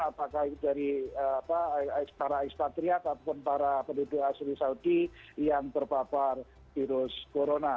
apakah itu dari para ekspatriat ataupun para penduduk asli saudi yang terpapar virus corona